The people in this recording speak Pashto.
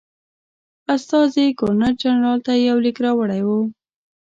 استازي ګورنرجنرال ته یو لیک راوړی وو.